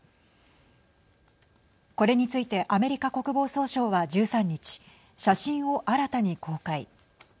これについてアメリカ国防総省は１３日写真を新たに公開。